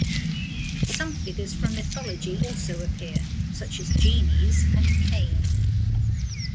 Some figures from mythology also appear, such as genies and Cain.